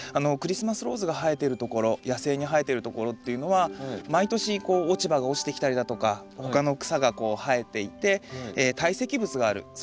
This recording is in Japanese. クリスマスローズが生えてるところ野生に生えてるところっていうのは毎年こう落ち葉が落ちてきたりだとか他の草がこう生えていて堆積物がある。